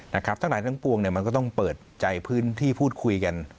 ทั้งหลายทั้งปวงเนี่ยมันก็ต้องเปิดใจพื้นที่พูดคุยกัน